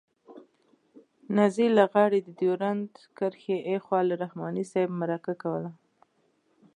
نذیر لغاري د ډیورنډ کرښې آخوا له رحماني صاحب مرکه کوله.